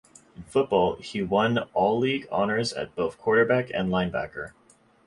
In football, he won All-League honors at both quarterback and linebacker.